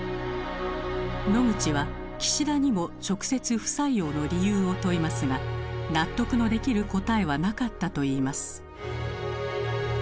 ノグチは岸田にも直接不採用の理由を問いますが納得のできる答えはなかったといいます。